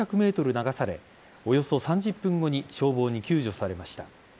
流されおよそ３０分後に消防に救助されました。